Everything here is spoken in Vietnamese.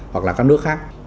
hoặc là các nước khác